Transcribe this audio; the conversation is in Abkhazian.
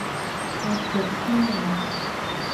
Абџьар шәымоума?